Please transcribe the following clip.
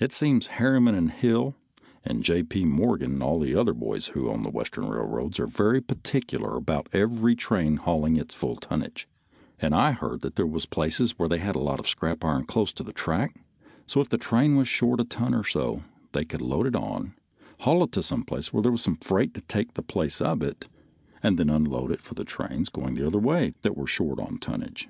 It seems Harriman and Hill and J. P. Morgan and all the other boys who own the western railroads are very particular about every train hauling its full tonnage, and I heard there was places they had a lot of scrap iron close to the track, so if the train was short a ton or so they could load it on, haul it to some place where there was some freight to take the place of it, and then unload it for trains going the other way that were short on tonnage.